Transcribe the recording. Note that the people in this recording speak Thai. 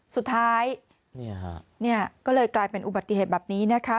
สุดท้ายก็เลยกลายเป็นอุบัติเหตุแบบนี้นะคะ